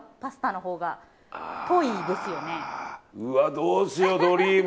どうしようドリーム。